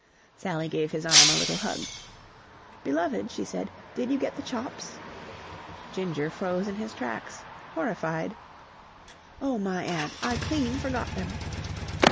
Sally gave his arm a little hug. "Beloved!" she said. "Did you get the chops?" Ginger froze in his tracks, horrified. "Oh, my aunt! I clean forgot them!"